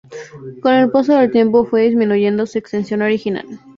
Con el paso del tiempo fue disminuyendo su extensión original.